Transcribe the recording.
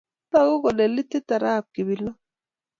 Tagu kole litit arap Kobilo.